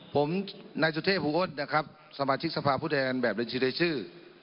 ผมนายสุเทพภูอดนะครับสมาชิกสภาพุทธแห่งแบบเรียนชีวิตชื่อ